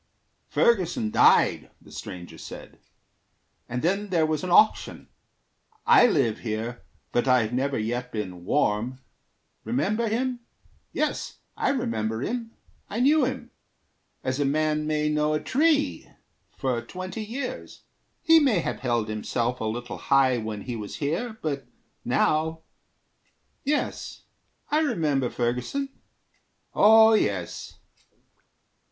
"Ferguson died," The stranger said, "and then there was an auction. I live here, but I've never yet been warm. Remember him? Yes, I remember him. I knew him as a man may know a tree For twenty years. He may have held himself A little high when he was here, but now ... Yes, I remember Ferguson. Oh, yes."